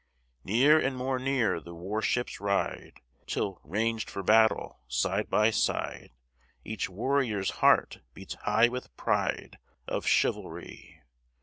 Near and more near the war ships ride, Till, ranged for battle, side by side, Each warrior's heart beats high with pride Of chivalry.